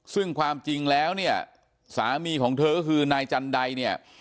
ซึ่งความจริงแล้วเนี่ยสามีของเธอก็คือนายจันไดเนี่ย